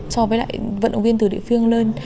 so với lại vận động viên từ địa phương lên